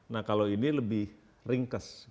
nah kalau ini lebih ringkas